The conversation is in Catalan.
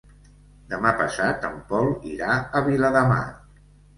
Demà passat en Pol irà a Viladamat.